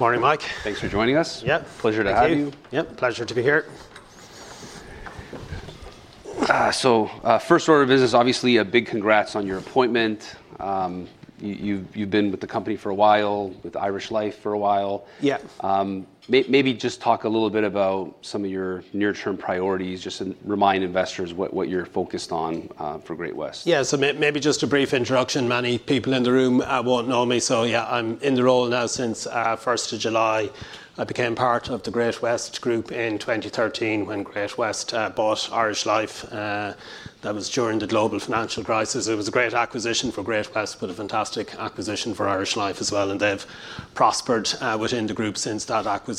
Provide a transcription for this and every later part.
Morning, Mike. Thanks for joining us. Yep. Pleasure to have you. Yep, pleasure to be here. So, first order of business, obviously, a big congrats on your appointment. You've been with the company for a while, with Irish Life for a while. Yeah. Maybe just talk a little bit about some of your near-term priorities, just to remind investors what you're focused on, for Great-West. Yeah, so maybe just a brief introduction. Many people in the room won't know me, so yeah, I'm in the role now since 1st of July. I became part of the Great-West Group in 2013 when Great-West bought Irish Life. That was during the global financial crisis. It was a great acquisition for Great-West, but a fantastic acquisition for Irish Life as well, and they've prospered within the group since that acquisition.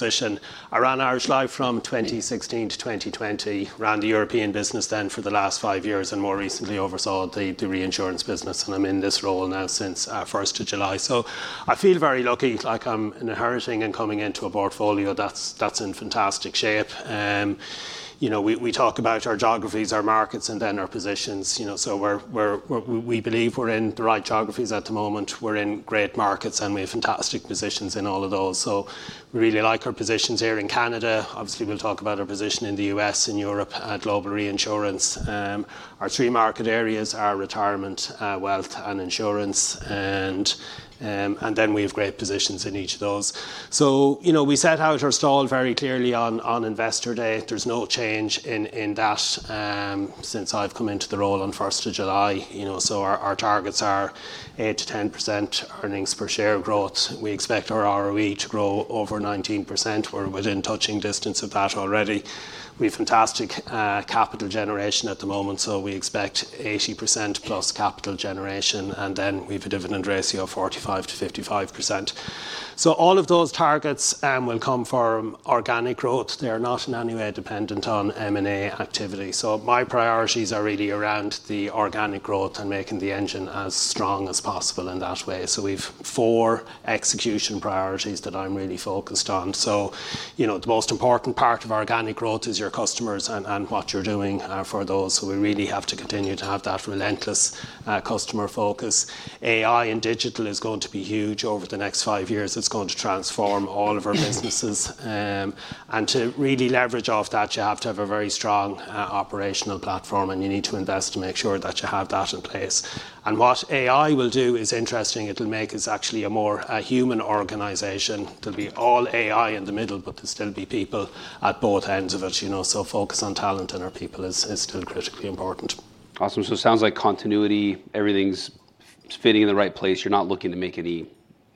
I ran Irish Life from 2016 to 2020, ran the European business then for the last five years, and more recently oversaw the reinsurance business, and I'm in this role now since 1st of July. So I feel very lucky, like I'm inheriting and coming into a portfolio that's in fantastic shape. You know, we talk about our geographies, our markets, and then our positions. You know, so we believe we're in the right geographies at the moment. We're in great markets, and we have fantastic positions in all of those. So we really like our positions here in Canada. Obviously, we'll talk about our position in the U.S. and Europe at Global Reinsurance. Our three market areas are retirement, wealth, and insurance, and then we have great positions in each of those. So, you know, we set out our stall very clearly on Investor Day. There's no change in that since I've come into the role on 1st of July, you know. So our targets are 8%-10% earnings per share growth. We expect our ROE to grow over 19%, we're within touching distance of that already. We've fantastic capital generation at the moment, so we expect 80%+ capital generation, and then we've a dividend ratio of 45%-55%. So all of those targets will come from organic growth. They are not in any way dependent on M&A activity. So my priorities are really around the organic growth and making the engine as strong as possible in that way. So we've four execution priorities that I'm really focused on. So, you know, the most important part of organic growth is your customers and what you're doing for those, so we really have to continue to have that relentless customer focus. AI and digital is going to be huge over the next five years. It's going to transform all of our businesses. and to really leverage off that, you have to have a very strong operational platform, and you need to invest to make sure that you have that in place. And what AI will do is interesting. It'll make us actually a more human organization. It'll be all AI in the middle, but there'll still be people at both ends of it, you know, so focus on talent and our people is still critically important. Awesome, so it sounds like continuity, everything's fitting in the right place. You're not looking to make any,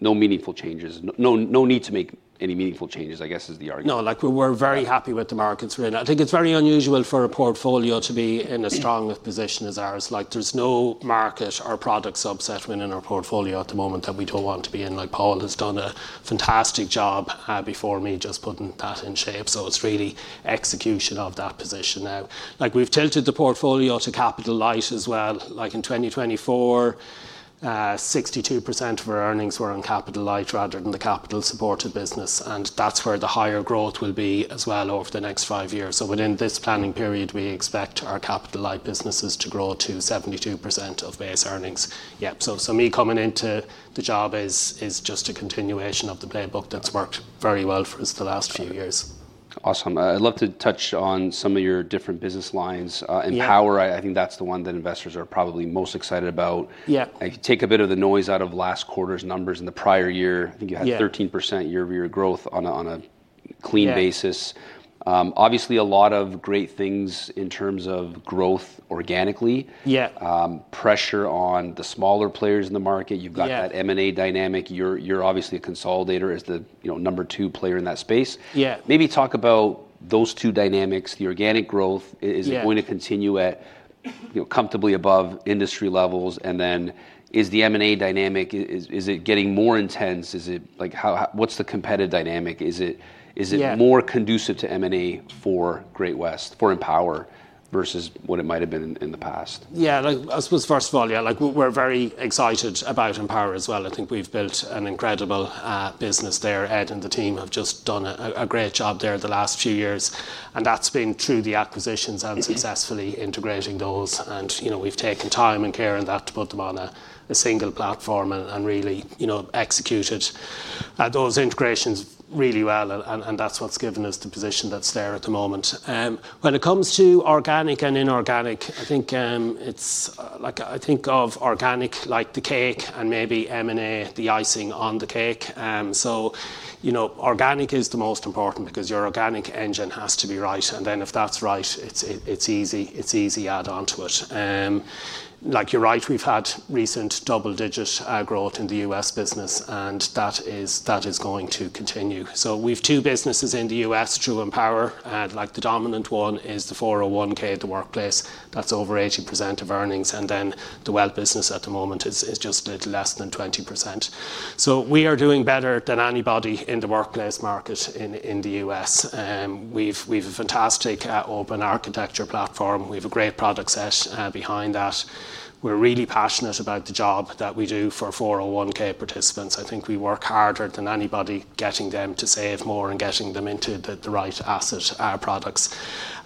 no meaningful changes, no, no need to make any meaningful changes, I guess, is the argument. No, like, we're very happy with the markets we're in. I think it's very unusual for a portfolio to be in as strong a position as ours. Like, there's no market or product subset within our portfolio at the moment that we don't want to be in. Like, Paul has done a fantastic job before me, just putting that in shape. So it's really execution of that position now. Like, we've tilted the portfolio to capital light as well. Like, in 2024, 62% of our earnings were on capital light rather than the capital-supported business, and that's where the higher growth will be as well over the next five years. So within this planning period, we expect our capital light businesses to grow to 72% of base earnings. Yeah, so me coming into the job is just a continuation of the playbook that's worked very well for us the last few years. Awesome. I'd love to touch on some of your different business lines. Yeah... Empower, I think that's the one that investors are probably most excited about. Yeah. If you take a bit of the noise out of last quarter's numbers and the prior year- Yeah... I think you had 13% year-over-year growth on a clean- Yeah... basis. Obviously, a lot of great things in terms of growth organically. Yeah. Pressure on the smaller players in the market. Yeah. You've got that M&A dynamic. You're obviously a consolidator as the, you know, number two player in that space. Yeah. Maybe talk about those two dynamics. The organic growth- Yeah... is it going to continue at, you know, comfortably above industry levels? And then is the M&A dynamic getting more intense? Is it... Like, how, what's the competitive dynamic? Is it- Yeah ... is it more conducive to M&A for Great-West, for Empower, versus what it might have been in the past? Yeah, like, I suppose, first of all, yeah, like, we're very excited about Empower as well. I think we've built an incredible business there. Ed and the team have just done a great job there the last few years, and that's been through the acquisitions. Mm-hmm... and successfully integrating those, and you know, we've taken time and care in that to put them on a single platform and really, you know, executed those integrations really well, and that's what's given us the position that's there at the moment. When it comes to organic and inorganic, I think, it's like, I think of organic like the cake and maybe M&A, the icing on the cake, so you know, organic is the most important because your organic engine has to be right, and then if that's right, it's easy to add on to it. Like, you're right, we've had recent double-digit growth in the U.S. business, and that is going to continue, so we've two businesses in the U.S. through Empower, and, like, the dominant one is the 401(k), the workplace. That's over 80% of earnings, and then the wealth business at the moment is just at less than 20%. So we are doing better than anybody in the workplace market in the U.S.. We've a fantastic open architecture platform. We've a great product set behind that. We're really passionate about the job that we do for 401 participants. I think we work harder than anybody, getting them to save more and getting them into the right asset products,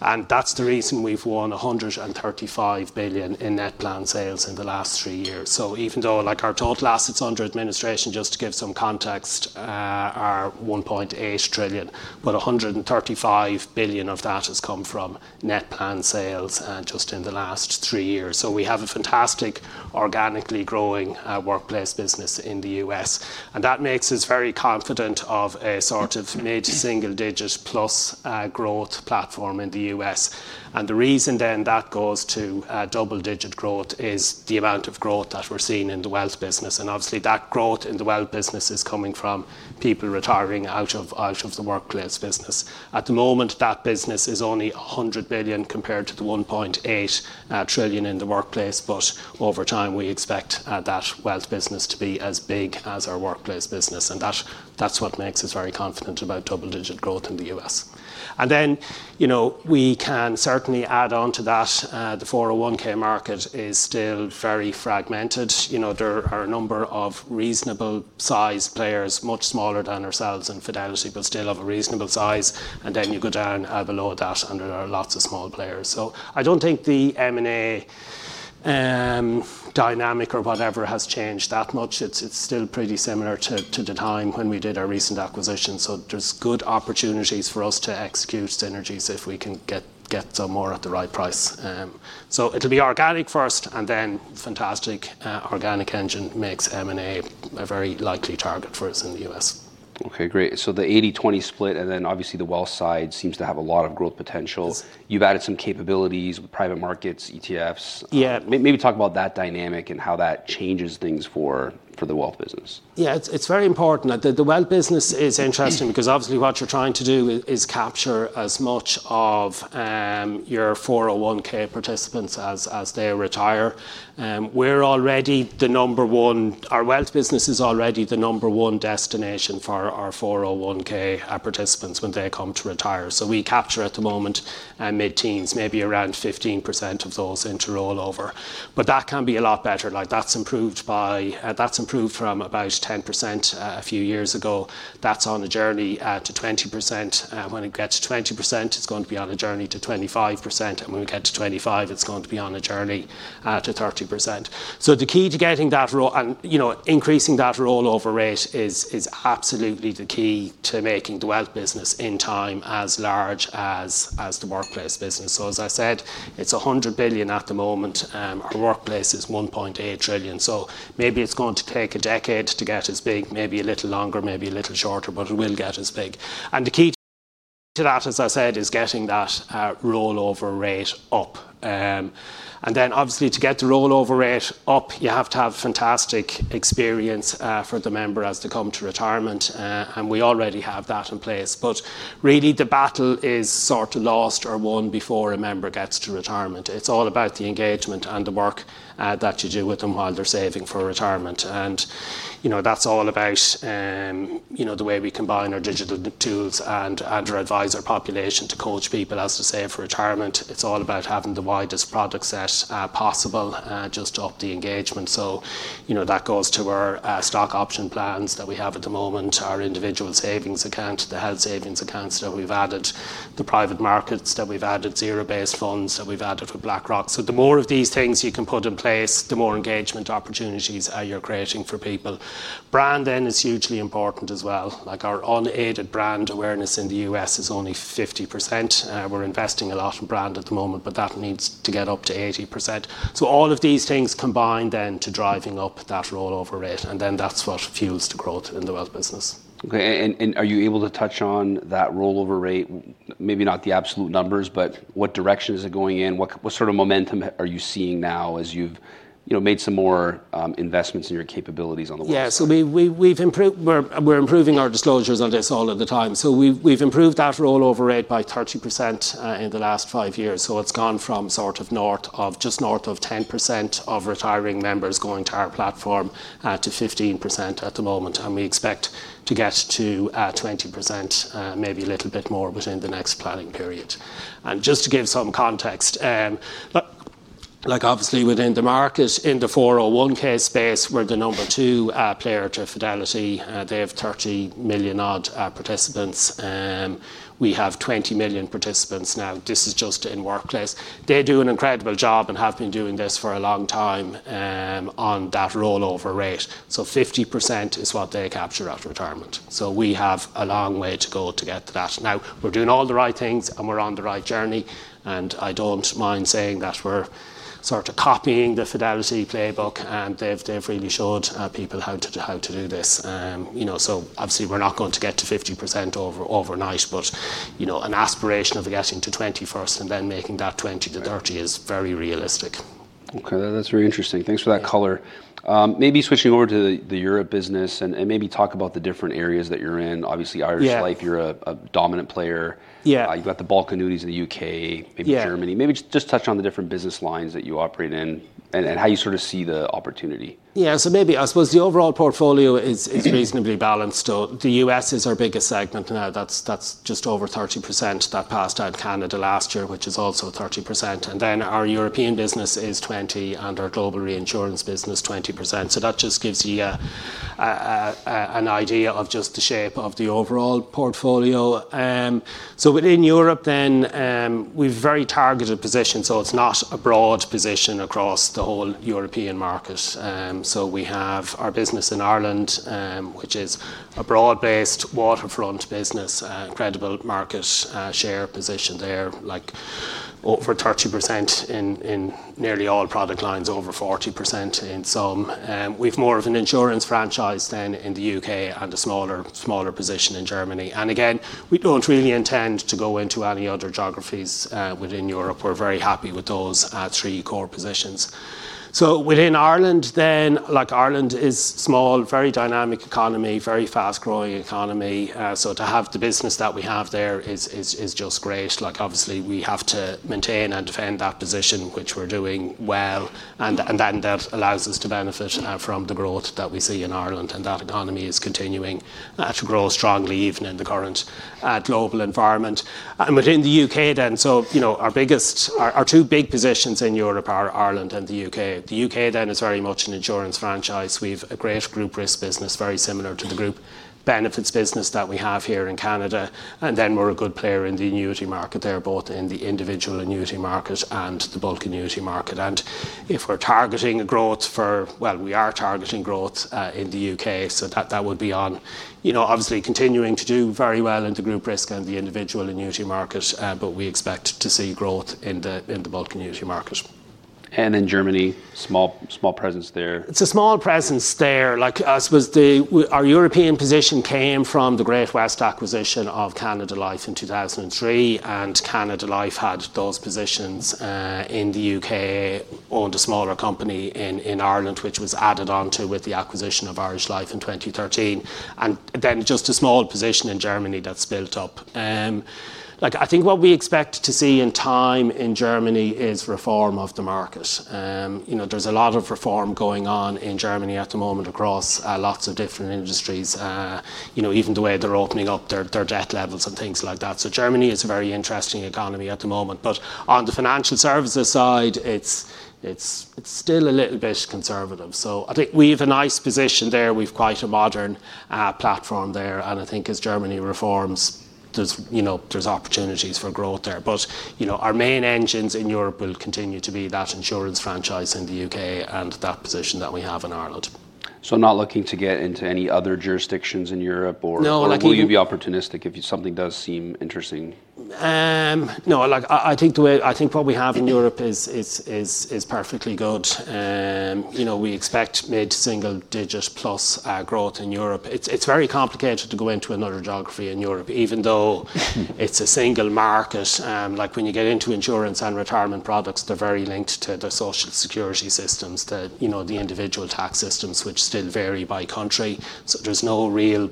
and that's the reason we've won $135 billion in net plan sales in the last three years. So even though, like, our total assets under administration, just to give some context, are $1.8 trillion, but $135 billion of that has come from net plan sales just in the last three years. We have a fantastic, organically growing workplace business in the U.S., and that makes us very confident of a sort of mid-single-digit-plus growth platform in the U.S.. The reason then that goes to double-digit growth is the amount of growth that we're seeing in the wealth business, and obviously, that growth in the wealth business is coming from people retiring out of the workplace business. At the moment, that business is only $100 billion compared to the $1.8 trillion in the workplace, but over time, we expect that wealth business to be as big as our workplace business, and that, that's what makes us very confident about double-digit growth in the U.S.. You know, we can certainly add on to that. The 401(k) market is still very fragmented. You know, there are a number of reasonable-size players, much smaller than ourselves and Fidelity, but still of a reasonable size. And then you go down below that, and there are lots of small players. So I don't think the M&A dynamic or whatever has changed that much. It's still pretty similar to the time when we did our recent acquisition. So there's good opportunities for us to execute synergies if we can get some more at the right price. So it'll be organic first, and then fantastic organic engine makes M&A a very likely target for us in the U.S. Okay, great. So the 80/20 split, and then obviously the wealth side seems to have a lot of growth potential. Yes. You've added some capabilities, private markets, ETFs. Yeah. Maybe talk about that dynamic and how that changes things for the wealth business. Yeah, it's very important. The wealth business is interesting- Mm... because obviously what you're trying to do is capture as much of your 401(k) participants as they retire. We're already the number one - our wealth business is already the number one destination for our 401(k) participants when they come to retire. So we capture at the moment mid-teens, maybe around 15% of those into rollover, but that can be a lot better. Like, that's improved from about 10% a few years ago. That's on a journey to 20%, and when it gets to 20%, it's going to be on a journey to 25%, and when we get to 25, it's going to be on a journey to 30%. So the key to getting that, you know, increasing that rollover rate is absolutely the key to making the wealth business, in time, as large as, as the workplace business. So as I said, it's 100 billion at the moment, our workplace is 1.8 trillion. So maybe it's going to take a decade to get as big, maybe a little longer, maybe a little shorter, but it will get as big. And the key to that, as I said, is getting that rollover rate up. And then obviously, to get the rollover rate up, you have to have fantastic experience for the member as they come to retirement, and we already have that in place. But really, the battle is sort of lost or won before a member gets to retirement. It's all about the engagement and the work, that you do with them while they're saving for retirement. And, you know, that's all about, you know, the way we combine our digital tools and, and our advisor population to coach people as to save for retirement. It's all about having the widest product set, possible, just to up the engagement. So, you know, that goes to our, stock option plans that we have at the moment, our individual savings account, the health savings accounts that we've added, the private markets that we've added, zero-based funds that we've added for BlackRock. So the more of these things you can put in place, the more engagement opportunities, you're creating for people. Branding is hugely important as well. Like, our unaided brand awareness in the U.S. is only 50%. We're investing a lot in brand at the moment, but that needs to get up to 80%. So all of these things combine then to driving up that rollover rate, and then that's what fuels the growth in the wealth business. Okay. Are you able to touch on that rollover rate? Maybe not the absolute numbers, but what direction is it going in? What sort of momentum are you seeing now as you've, you know, made some more investments in your capabilities on the wealth? Yeah. So we've improved – we're improving our disclosures on this all of the time. So we've improved that rollover rate by 30% in the last five years. So it's gone from sort of north of – just north of 10% of retiring members going to our platform to 15% at the moment, and we expect to get to 20%, maybe a little bit more, within the next planning period. And just to give some context, like, like obviously within the market, in the 401(k) space, we're the number two player to Fidelity. They have 30 million odd participants, we have 20 million participants now. This is just in workplace. They do an incredible job and have been doing this for a long time on that rollover rate. So 50% is what they capture at retirement. So we have a long way to go to get to that. Now, we're doing all the right things, and we're on the right journey, and I don't mind saying that we're sort of copying the Fidelity playbook, and they've really showed people how to do this. You know, so obviously we're not going to get to 50% overnight but, you know, an aspiration of getting to 20% first and then making that 20% to 30%. Right... is very realistic. Okay, that's very interesting. Thanks for that color. Maybe switching over to the Europe business, and maybe talk about the different areas that you're in. Obviously, Irish Life- Yeah... you're a dominant player. Yeah. You've got the bulk annuities in the U.K. Yeah... maybe Germany. Maybe just touch on the different business lines that you operate in and how you sort of see the opportunity. Yeah, so maybe, I suppose the overall portfolio is... Mm... reasonably balanced. The U.S. is our biggest segment, and that's just over 30%. That passed out Canada last year, which is also 30%. And then our European business is 20%, and our global reinsurance business, 20%. So that just gives you an idea of just the shape of the overall portfolio. So within Europe then, we've very targeted position, so it's not a broad position across the whole European market. So we have our business in Ireland, which is a broad-based waterfront business, incredible market share position there, like over 30% in nearly all product lines, over 40% in some. We've more of an insurance franchise than in the U.K., and a smaller position in Germany. And again, we don't really intend to go into any other geographies within Europe. We're very happy with those three core positions, so within Ireland then, like, Ireland is small, very dynamic economy, very fast-growing economy, so to have the business that we have there is just great. Like, obviously, we have to maintain and defend that position, which we're doing well, and then that allows us to benefit from the growth that we see in Ireland, and that economy is continuing to grow strongly, even in the current global environment, and within the U.K. then, so you know, our two big positions in Europe are Ireland and the U.K.. The U.K. then is very much an insurance franchise. We've a great group risk business, very similar to the group benefits business that we have here in Canada, and then we're a good player in the annuity market there, both in the individual annuity market and the bulk annuity market. We are targeting growth in the U.K., so that would be on, you know, obviously continuing to do very well in the group risk and the individual annuity market, but we expect to see growth in the bulk annuity market. ... And in Germany, small, small presence there? It's a small presence there. Like, I suppose our European position came from the Great-West acquisition of Canada Life in 2003, and Canada Life had those positions in the U.K., owned a smaller company in Ireland, which was added onto with the acquisition of Irish Life in 2013, and then just a small position in Germany that's built up. Like, I think what we expect to see in time in Germany is reform of the market. You know, there's a lot of reform going on in Germany at the moment across lots of different industries. You know, even the way they're opening up their debt levels, and things like that. So Germany is a very interesting economy at the moment, but on the financial services side, it's still a little bit conservative. So I think we've a nice position there. We've quite a modern platform there, and I think as Germany reforms, there's, you know, opportunities for growth there. But, you know, our main engines in Europe will continue to be that insurance franchise in the U.K., and that position that we have in Ireland. So, not looking to get into any other jurisdictions in Europe, or- No, like- Or will you be opportunistic if something does seem interesting? No, like, I think what we have in Europe is perfectly good. You know, we expect mid-single-digit-plus growth in Europe. It's very complicated to go into another geography in Europe. Even though it's a single market, like, when you get into insurance and retirement products, they're very linked to the social security systems, you know, the individual tax systems, which still vary by country. So there's no real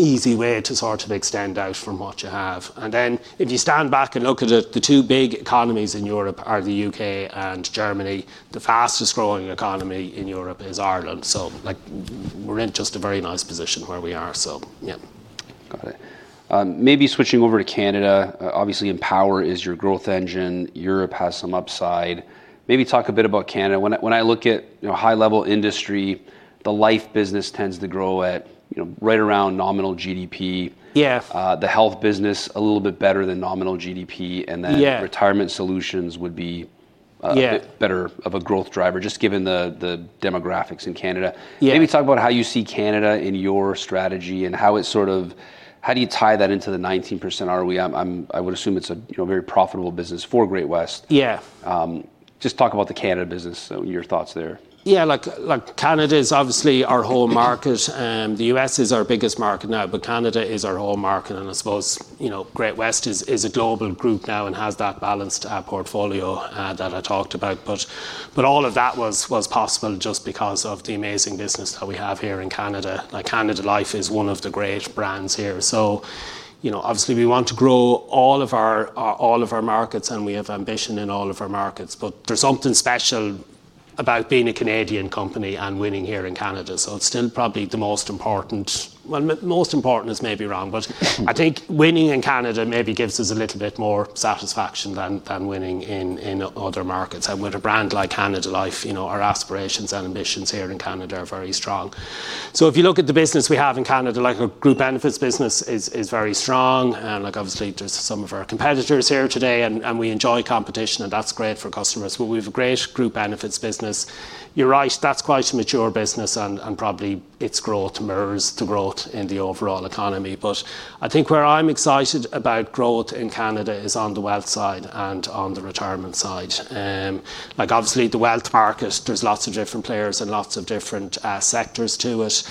easy way to sort of extend out from what you have. And then if you stand back and look at it, the two big economies in Europe are the U.K. and Germany. The fastest-growing economy in Europe is Ireland, so, like, we're in just a very nice position where we are, so yeah. Got it. Maybe switching over to Canada, obviously, Empower is your growth engine. Europe has some upside. Maybe talk a bit about Canada. When I look at, you know, high-level industry, the life business tends to grow at, you know, right around nominal GDP. Yeah. The health business, a little bit better than nominal GDP, and then- Yeah... retirement solutions would be- Yeah... a bit better of a growth driver, just given the demographics in Canada. Yeah. Maybe talk about how you see Canada in your strategy, and how it sort of how do you tie that into the 19% ROE? I'm I would assume it's a, you know, very profitable business for Great-West. Yeah. Just talk about the Canada business, so your thoughts there. Yeah, like, Canada is obviously our home market. The U.S. is our biggest market now, but Canada is our home market, and I suppose, you know, Great-West is a global group now, and has that balanced portfolio that I talked about, but all of that was possible just because of the amazing business that we have here in Canada. Like, Canada Life is one of the great brands here, so you know, obviously we want to grow all of our markets, and we have ambition in all of our markets, but there's something special about being a Canadian company and winning here in Canada, so it's still probably the most important, well, most important is maybe wrong, but I think winning in Canada maybe gives us a little bit more satisfaction than winning in other markets. And with a brand like Canada Life, you know, our aspirations and ambitions here in Canada are very strong. So if you look at the business we have in Canada, like, our group benefits business is very strong. And, like, obviously, there's some of our competitors here today, and we enjoy competition, and that's great for customers. But we've a great group benefits business. You're right, that's quite a mature business, and probably its growth mirrors the growth in the overall economy. But I think where I'm excited about growth in Canada is on the wealth side, and on the retirement side. Like, obviously, the wealth market, there's lots of different players and lots of different sectors to it.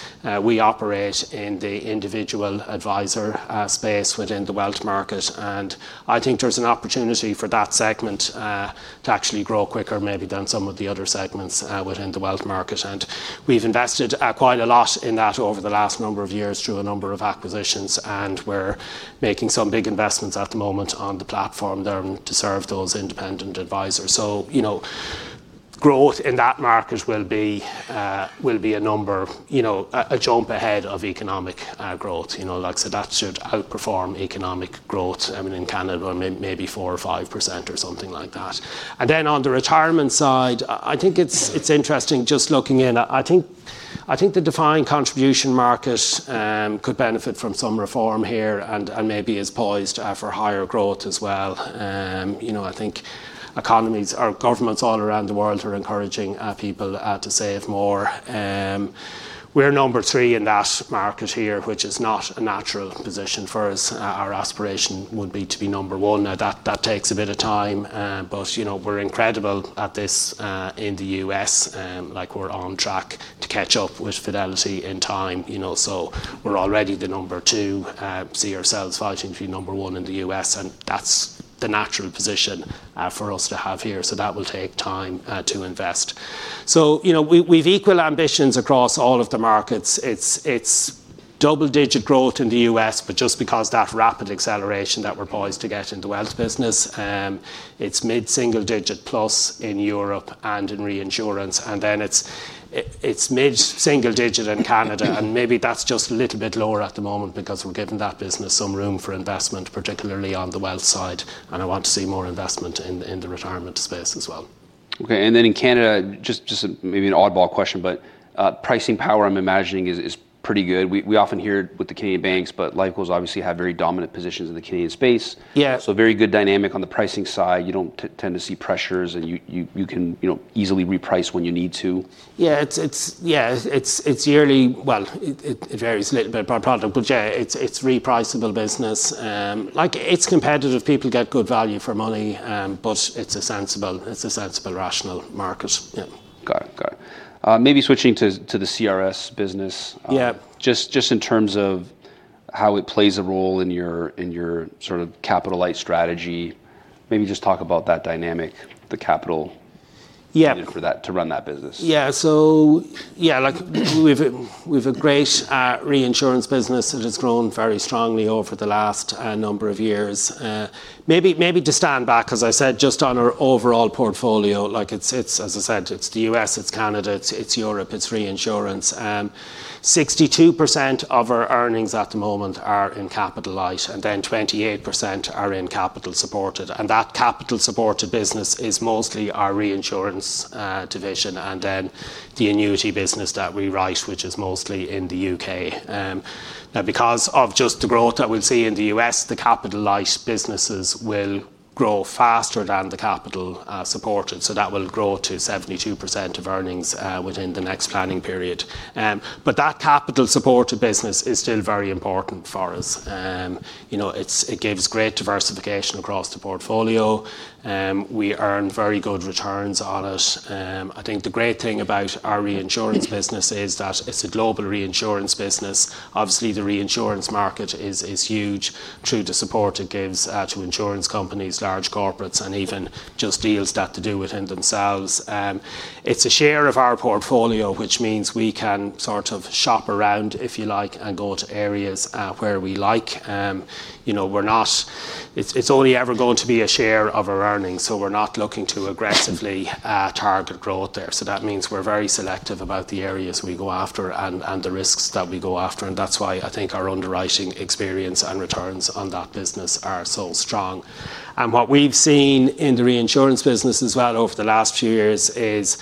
We operate in the individual advisor space within the wealth market, and I think there's an opportunity for that segment to actually grow quicker maybe than some of the other segments within the wealth market. We've invested quite a lot in that over the last number of years through a number of acquisitions, and we're making some big investments at the moment on the platform there to serve those independent advisors. You know, growth in that market will be, you know, a jump ahead of economic growth. You know, like, so that should outperform economic growth, I mean, in Canada, maybe four or five%, or something like that. Then on the retirement side, I think it's interesting just looking in. I think the defined contribution market could benefit from some reform here, and maybe is poised for higher growth as well. You know, I think economies or governments all around the world are encouraging people to save more. We're number three in that market here, which is not a natural position for us. Our aspiration would be to be number one. Now, that takes a bit of time, but you know, we're incredible at this in the U.S. Like, we're on track to catch up with Fidelity in time, you know, so we're already the number two. See ourselves fighting to be number one in the U.S., and that's the natural position for us to have here. So that will take time to invest. So, you know, we've equal ambitions across all of the markets. It's double-digit growth in the U.S., but just because that rapid acceleration that we're poised to get in the wealth business. It's mid-single digit plus in Europe and in reinsurance, and then it's mid-single digit in Canada. And maybe that's just a little bit lower at the moment, because we're giving that business some room for investment, particularly on the wealth side, and I want to see more investment in the retirement space as well. Okay, and then in Canada, just a maybe an oddball question, but, pricing power, I'm imagining, is pretty good. We often hear it with the Canadian banks, but Lifeco obviously have very dominant positions in the Canadian space. Yeah. Very good dynamic on the pricing side. You don't tend to see pressures, and you can, you know, easily reprice when you need to. Yeah, it's yearly. Well, it varies a little bit by product, but yeah, it's repriceable business. Like, it's competitive. People get good value for money, but it's a sensible, rational market. Yeah. Got it. Maybe switching to the CRS business. Yeah. Just in terms of how it plays a role in your sort of capital light strategy. Maybe just talk about that dynamic, the capital- Yeah needed for that to run that business. Yeah, so yeah, like, we've a great reinsurance business. It has grown very strongly over the last number of years. Maybe to stand back, as I said, just on our overall portfolio, like, it's the U.S., it's Canada, it's Europe, it's reinsurance. 62% of our earnings at the moment are in capital light, and then 28% are in capital supported, and that capital supported business is mostly our reinsurance division and then the annuity business that we write, which is mostly in the U.K. Now because of just the growth that we'll see in the U.S., the capital light businesses will grow faster than the capital supported, so that will grow to 72% of earnings within the next planning period. But that capital supported business is still very important for us. You know, it gives great diversification across the portfolio. We earn very good returns on it. I think the great thing about our reinsurance business is that it's a global reinsurance business. Obviously, the reinsurance market is huge, through the support it gives to insurance companies, large corporates, and even just deals that they do within themselves. It's a share of our portfolio, which means we can sort of shop around, if you like, and go to areas where we like. You know, we're not. It's only ever going to be a share of our earnings, so we're not looking to aggressively target growth there. So that means we're very selective about the areas we go after and the risks that we go after, and that's why I think our underwriting experience and returns on that business are so strong. And what we've seen in the reinsurance business as well over the last few years is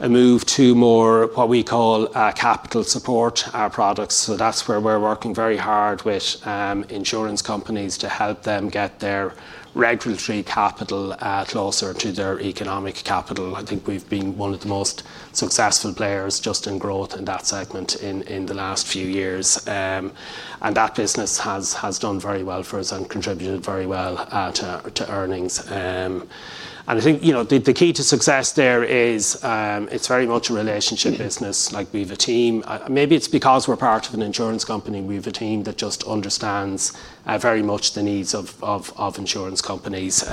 a move to more what we call capital-supported products. So that's where we're working very hard with insurance companies to help them get their regulatory capital closer to their economic capital. I think we've been one of the most successful players just in growth in that segment in the last few years. And that business has done very well for us and contributed very well to earnings. And I think, you know, the key to success there is it's very much a relationship business. Like, we've a team that just understands very much the needs of insurance companies.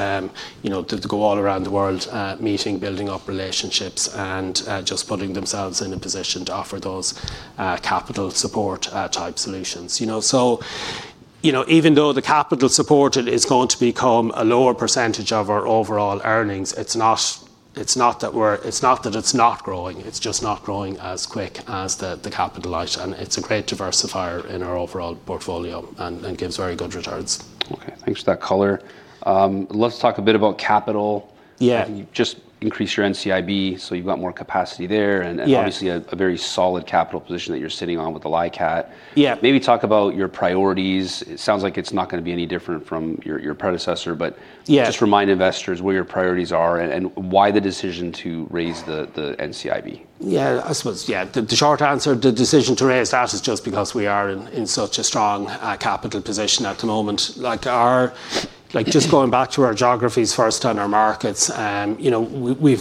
You know, they go all around the world, meeting, building up relationships, and just putting themselves in a position to offer those capital supported type solutions. You know, so, you know, even though the capital supported is going to become a lower percentage of our overall earnings, it's not that we're- it's not that it's not growing, it's just not growing as quick as the capital light. And it's a great diversifier in our overall portfolio and gives very good returns. Okay, thanks for that color. Let's talk a bit about capital. Yeah. You just increased your NCIB, so you've got more capacity there- Yeah... and obviously a very solid capital position that you're sitting on with the LICAT. Yeah. Maybe talk about your priorities. It sounds like it's not gonna be any different from your, your predecessor, but- Yeah... just remind investors what your priorities are, and why the decision to raise the NCIB? Yeah, I suppose, yeah, the short answer, the decision to raise that is just because we are in such a strong capital position at the moment. Like, our- like, just going back to our geographies first and our markets, you know, we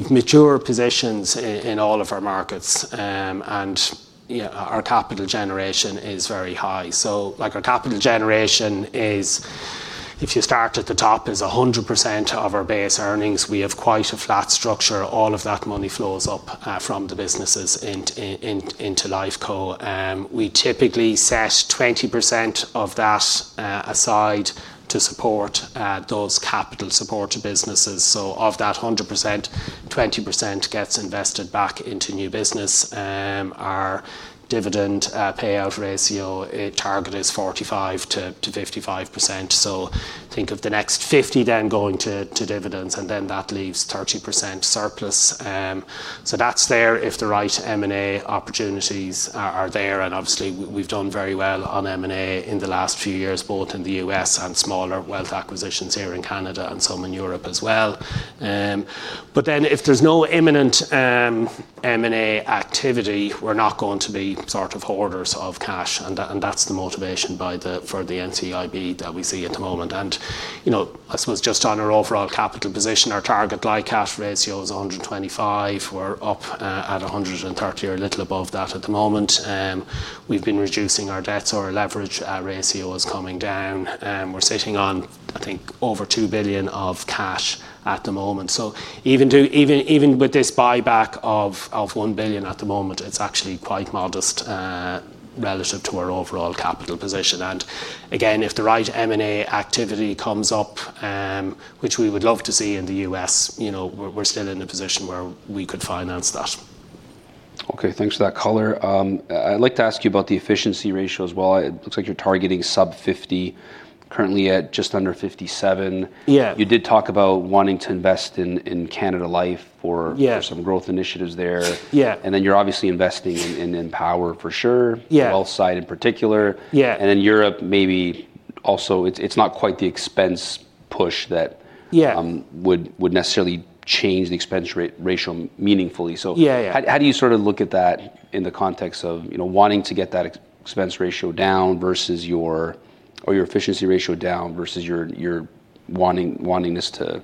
have mature positions in all of our markets. You know, our capital generation is very high. So, like, our capital generation is, if you start at the top, 100% of our base earnings. We have quite a flat structure. All of that money flows up from the businesses into Lifeco. We typically set 20% of that aside to support those capital supported businesses. So of that 100%, 20% gets invested back into new business. Our dividend payout ratio target is 45%-55%. Think of the next 50 then going to dividends, and then that leaves 30% surplus. That's there if the right M&A opportunities are there, and obviously, we've done very well on M&A in the last few years, both in the U.S. and smaller wealth acquisitions here in Canada and some in Europe as well. But then if there's no imminent M&A activity, we're not going to be sort of hoarders of cash, and that's the motivation for the NCIB that we see at the moment. You know, I suppose, just on our overall capital position, our target LICAT ratio is 125. We're up at 130 or a little above that at the moment. We've been reducing our debts. Our leverage ratio is coming down. We're sitting on, I think, over 2 billion of cash at the moment. So even with this buyback of 1 billion at the moment, it's actually quite modest relative to our overall capital position. And again, if the right M&A activity comes up, which we would love to see in the U.S., you know, we're still in a position where we could finance that. Okay, thanks for that color. I'd like to ask you about the efficiency ratio as well. It looks like you're targeting sub-50%, currently at just under 57%. Yeah. You did talk about wanting to invest in Canada Life for- Yeah... for some growth initiatives there. Yeah. You're obviously investing in Empower for sure. Yeah. The health side in particular. Yeah. And in Europe, maybe also, it's not quite the expense push that- Yeah... would necessarily change the expense ratio meaningfully. So- Yeah, yeah... how do you sort of look at that in the context of, you know, wanting to get that expense ratio down versus your or your efficiency ratio down versus your wanting this to-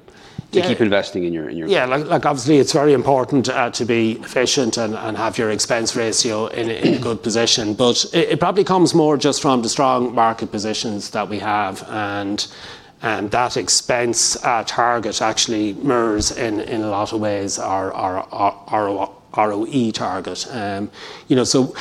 Yeah to keep investing in your Yeah, like obviously it's very important to be efficient and have your expense ratio in a good position. But it probably comes more just from the strong market positions that we have, and that expense target actually mirrors in a lot of ways our ROE target. You know, so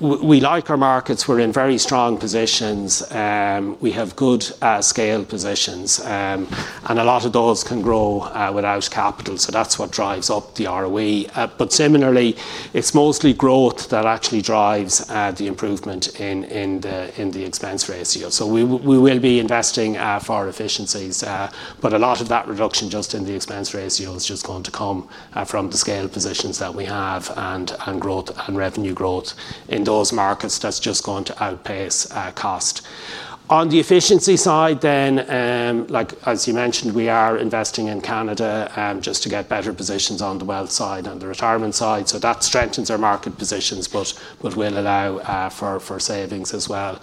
we like our markets. We're in very strong positions. We have good scale positions. And a lot of those can grow without capital, so that's what drives up the ROE. But similarly, it's mostly growth that actually drives the improvement in the expense ratio. So we will be investing for efficiencies, but a lot of that reduction just in the expense ratio is just going to come from the scale positions that we have, and growth, and revenue growth in those markets. That's just going to outpace cost. On the efficiency side then, like as you mentioned, we are investing in Canada just to get better positions on the wealth side and the retirement side, so that strengthens our market positions, but will allow for savings as well.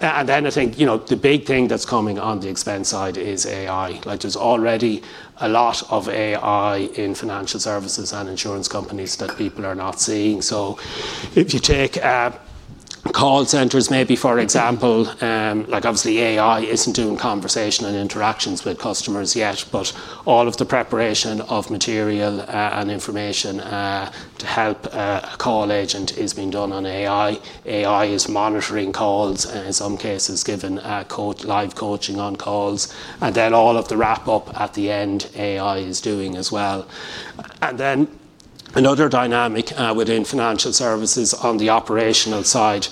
And then I think, you know, the big thing that's coming on the expense side is AI. Like, there's already a lot of AI in financial services and insurance companies that people are not seeing. So if you take call centers maybe, for example, like obviously AI isn't doing conversation and interactions with customers yet, but all of the preparation of material and information to help a call agent is being done on AI. AI is monitoring calls, and in some cases giving live coaching on calls. And then all of the wrap-up at the end, AI is doing as well. And then another dynamic within financial services on the operational side,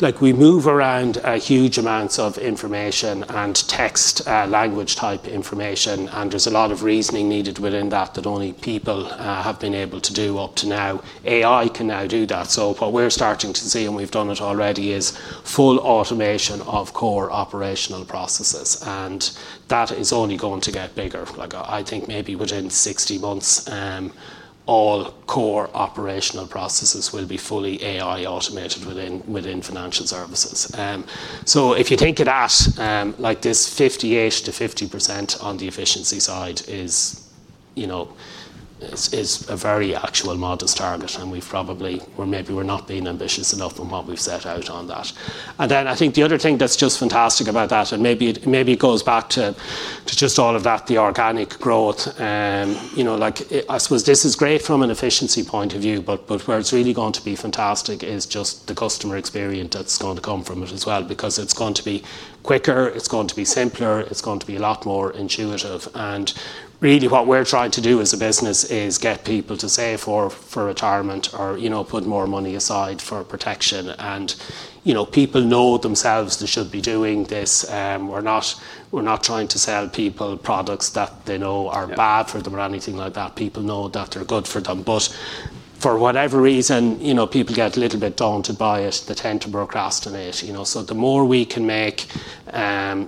like we move around huge amounts of information and text language-type information, and there's a lot of reasoning needed within that that only people have been able to do up to now. AI can now do that. So what we're starting to see, and we've done it already, is full automation of core operational processes, and that is only going to get bigger. Like, I think maybe within 60 months, all core operational processes will be fully AI automated within financial services. So if you take it at, like this 58%-50% on the efficiency side is, you know, is a very actually modest target, and we've probably or maybe we're not being ambitious enough in what we've set out on that. And then I think the other thing that's just fantastic about that, and maybe it, maybe it goes back to, to just all of that, the organic growth, you know, like, I suppose this is great from an efficiency point of view, but, but where it's really going to be fantastic is just the customer experience that's going to come from it as well. Because it's going to be quicker, it's going to be simpler, it's going to be a lot more intuitive. And really what we're trying to do as a business is get people to save for, for retirement or, you know, put more money aside for protection. And, you know, people know themselves they should be doing this. We're not, we're not trying to sell people products that they know are bad for them. Yeah... or anything like that. People know that they're good for them. But for whatever reason, you know, people get a little bit daunted by it. They tend to procrastinate, you know? So the more we can make,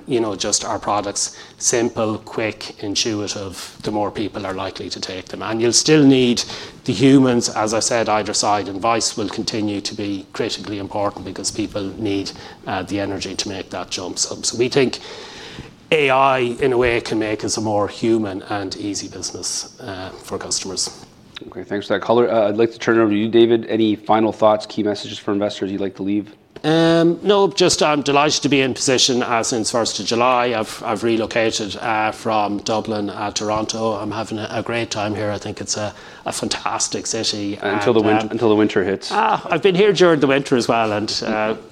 you know, just our products simple, quick, intuitive, the more people are likely to take them. And you'll still need the humans. As I said, either side, advice will continue to be critically important, because people need the energy to make that jump. So we think AI, in a way, can make us a more human and easy business for customers. Okay, thanks for that color. I'd like to turn it over to you, David. Any final thoughts, key messages for investors you'd like to leave? No, just, I'm delighted to be in position. Since 1st of July, I've relocated from Dublin to Toronto. I'm having a great time here. I think it's a fantastic city, and Until the winter hits. I've been here during the winter as well, and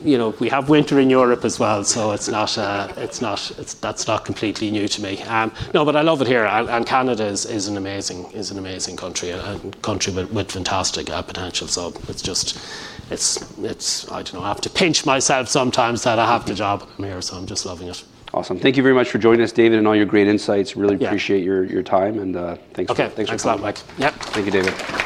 you know, we have winter in Europe as well, so it's not, that's not completely new to me. No, but I love it here, and Canada is an amazing country, and a country with fantastic potential. So it's just... I don't know, I have to pinch myself sometimes that I have the job here, so I'm just loving it. Awesome. Thank you very much for joining us, David, and all your great insights. Yeah. Really appreciate your time, and thanks again. Okay. Thanks a lot. Thanks a lot, Max. Yep. Thank you, David.